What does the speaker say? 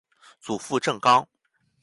祖父郑刚。